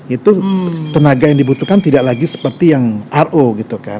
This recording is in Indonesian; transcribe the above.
itu tenaga yang dibutuhkan tidak lagi seperti yang ro gitu kan